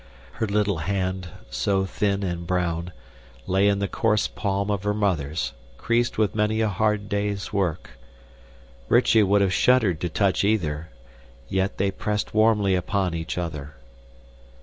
Her little hand, so thin and brown, lay in the coarse palm of her mother's, creased with many a hard day's work. Rychie would have shuddered to touch either, yet they pressed warmly upon each other.